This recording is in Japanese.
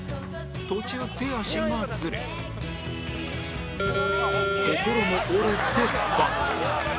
途中手足がズレ心も折れて×